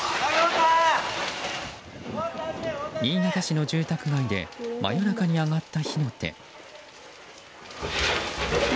新潟市の住宅街で真夜中に上がった火の手。